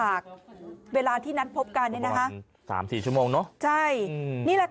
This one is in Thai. แล้วน้องป่วยเป็นเด็กออทิสติกของโรงเรียนศูนย์การเรียนรู้พอดีจังหวัดเชียงใหม่นะคะ